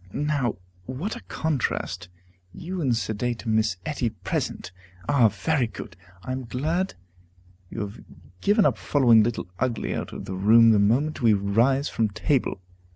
Now, what a contrast you and sedate Miss Etty present! Ah, very good! I am glad you have given up following Little Ugly out of the room the moment we rise from table.